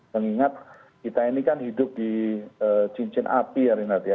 mengingat kita ini kan hidup di cincin api ya renat ya